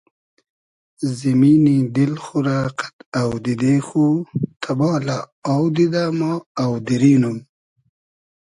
زیمینی دیل خو رۂ قئد اۆدیدې خو تئبالۂ آو دیدۂ ما آودیری نوم